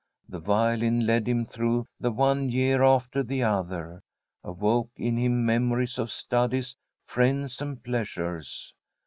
The violin led him through the one year after the other, awoke in him memories of studies, friends and pleasures.